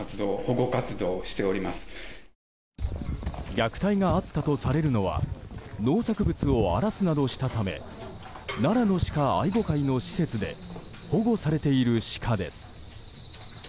虐待があったとされるのは農作物を荒らすなどしたため奈良の鹿愛護会の施設で保護されているシカです。